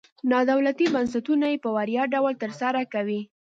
نادولتي بنسټونه یې په وړیا ډول تر سره کوي.